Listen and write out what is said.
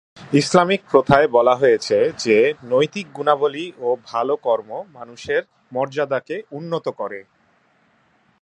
Islamic প্রথায় বলা হয়েছে যে নৈতিক গুণাবলী ও ভাল কর্ম মানুষের মর্যাদাকে উন্নত করে।